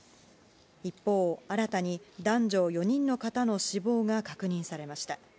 一方、新たに男女４人の方の死亡が確認されました。